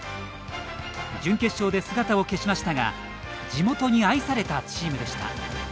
準決勝で姿を消しましたが地元に愛されたチームでした。